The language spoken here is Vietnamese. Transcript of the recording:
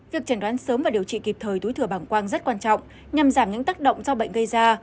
việc chẩn đoán sớm và điều trị kịp thời túi thừa bảng quang rất quan trọng nhằm giảm những tác động do bệnh gây ra